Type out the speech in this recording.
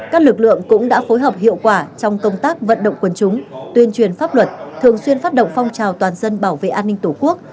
các lực lượng cũng đã phối hợp hiệu quả trong công tác vận động quân chúng tuyên truyền pháp luật thường xuyên phát động phong trào toàn dân bảo vệ an ninh tổ quốc